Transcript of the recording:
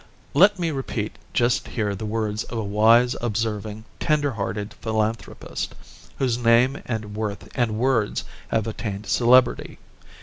Let me repeat just here the words of a wise, observing, tender hearted philanthropist, whose name and worth and words have attained celebrity.